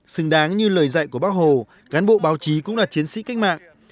xứng đáng như lời dạy của bác hồ cán bộ báo chí cũng là chiến sĩ cách mạng